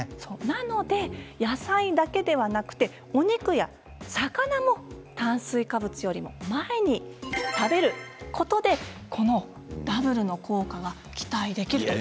なので、野菜だけではなくてお肉や魚も炭水化物よりも前に食べることでこのダブルの効果が期待できると。